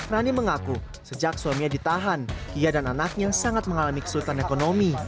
rani mengaku sejak suaminya ditahan ia dan anaknya sangat mengalami kesulitan ekonomi